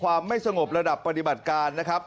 ไม่สงบระดับปฏิบัติการนะครับ